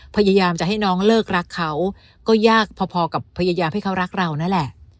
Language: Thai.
พยายามจะให้น้องเลิกรักเขาก็ยากพอกับพยายามให้เขารักเรานั่นแหละ